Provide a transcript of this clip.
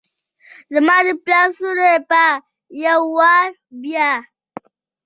زماد پلار سیوری به ، یو وارې بیا،